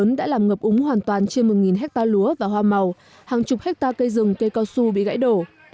bão số bốn đã làm ngập úng hoàn toàn trên một hectare lúa và hoa màu hàng chục hectare cây rừng cây cao su bị gãy đổ